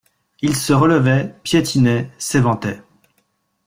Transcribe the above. Il se relevait, piétinait, s'éventait.